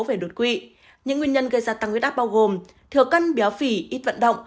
về đột quỵ những nguyên nhân gây ra tăng huyết áp bao gồm thừa cân béo phì ít vận động